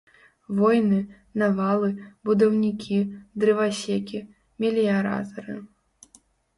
Войны, навалы, будаўнікі, дрывасекі, мэліяратары.